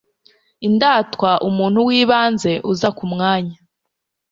indatwa umuntu w'ibanze uza ku mwanya